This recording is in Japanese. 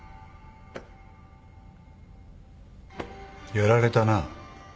やられたな。